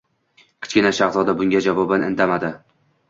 Kichkina shahzoda bunga javoban indamadi.